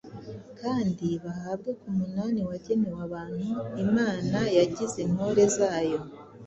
kandi bahabwe ku munani wagenewe abantu Imana yagize intore zayo